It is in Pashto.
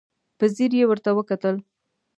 په ځير يې ورته وکتل.